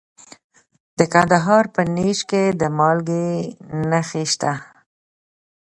د کندهار په نیش کې د مالګې نښې شته.